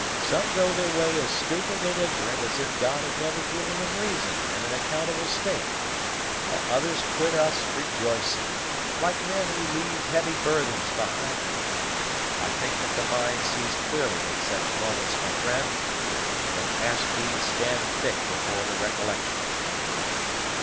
Some go their way as stupid and ignorant as if God had never given them reason and an accountable state; while others quit us rejoicing, like men who leave heavy burthens behind them. I think that the mind sees clearly at such moments, my friend, and that past deeds stand thick before the recollection."